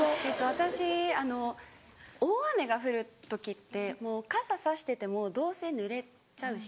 私あの大雨が降る時ってもう傘差しててもどうせぬれちゃうし。